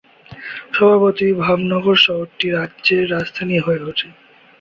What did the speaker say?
স্বভাবতই, ভাবনগর শহরটি রাজ্যের রাজধানী হয়ে ওঠে।